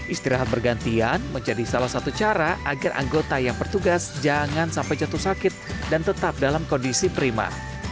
istirahat bergantian menjadi salah satu cara agar anggota yang bertugas jangan sampai jatuh sakit dan tetap dalam kondisi prima